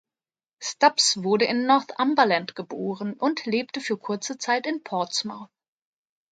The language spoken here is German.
Stubbs wurde in Northumberland geboren und lebte für kurze Zeit in Portsmouth.